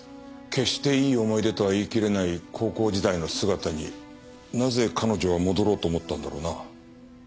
決していい思い出とは言いきれない高校時代の姿になぜ彼女は戻ろうと思ったんだろうな。